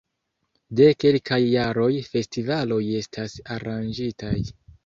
De kelkaj jaroj festivaloj estas aranĝitaj.